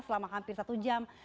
selama hampir satu jam